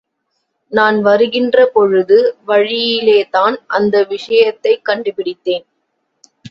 நான் வருகின்றபொழுது, வழியிலேதான் அந்த விஷயத்தைக் கண்டுபிடித்தேன்.